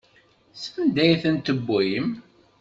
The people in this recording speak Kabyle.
Sanda ay tent-tewwim?